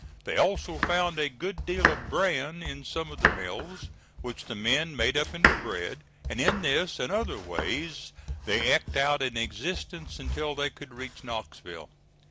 They also found a good deal of bran in some of the mills, which the men made up into bread; and in this and other ways they eked out an existence until they could reach Knoxville.